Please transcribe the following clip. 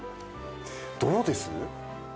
どうです？